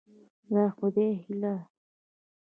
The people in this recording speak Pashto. د خدای هيله